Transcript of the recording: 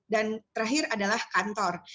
dan terakhir adalah kantor